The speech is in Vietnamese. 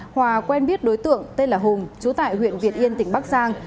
hòa quen biết đối tượng tên là hùng chú tại huyện việt yên tỉnh bắc giang